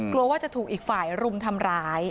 กลัวว่าจะถูกอีกฝ่ายรุมทำร้าย